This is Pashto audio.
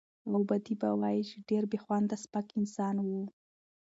او بعضې به وايي چې ډېر بې خونده سپک انسان و.